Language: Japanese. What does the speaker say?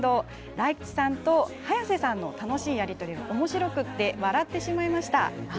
大吉さんと早瀬さんの楽しいやり取りがおもしろくって笑ってしまいました。